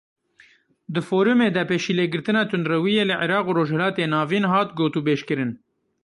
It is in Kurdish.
Di Forumê de Pêşîlêgirtina tundrewiyê li Iraq û Rojhilatê Navîn hat gotûbêjkirin.